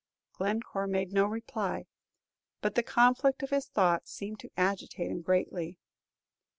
Glencore made no reply, but the conflict of his thoughts seemed to agitate him greatly.